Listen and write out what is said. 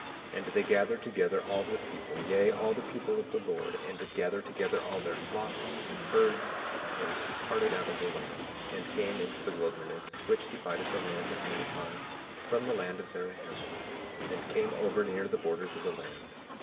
27:14 And they gathered together all their people, yea, all the people of the Lord, and did gather together all their flocks and herds, and departed out of the land, and came into the wilderness which divided the land of Nephi from the land of Zarahemla, and came over near the borders of the land.